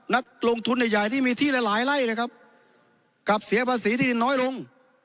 นักลงทุนใหญ่ใหญ่ที่มีที่หลายหลายไล่นะครับกลับเสียภาษีที่ดินน้อยลง